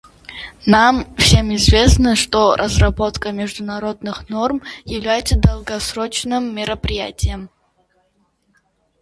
Нам всем известно, что разработка международных норм является долгосрочным мероприятием.